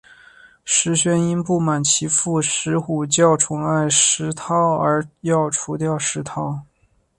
石宣因不满其父石虎较宠爱石韬而要除掉石韬。